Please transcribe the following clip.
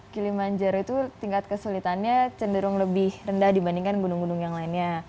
kili manjaro itu tingkat kesulitannya cenderung lebih rendah dibandingkan gunung gunung yang lainnya